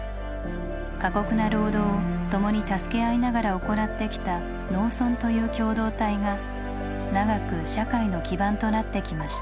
過酷な労働を共に助け合いながら行ってきた「農村」という共同体が長く社会の基盤となってきました。